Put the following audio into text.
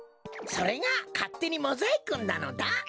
それがかってにモザイクンなのだ。